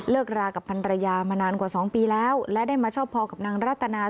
เลิกรากับธรรยามันกว่า๒ปีแล้วมาเช่าพอกับนางรัตนา